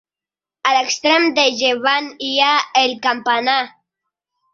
A l'extrem de llevant hi ha el campanar.